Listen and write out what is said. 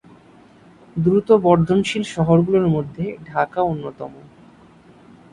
দ্রুত বর্ধনশীল শহরগুলোর মধ্যে ঢাকা অন্যতম।